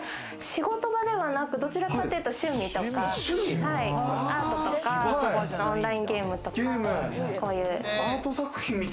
仕事場ではなく、どちらかというと趣味というか、アートとかオンラインゲームというか。